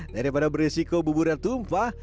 daripada beresiko bubur yang tumpah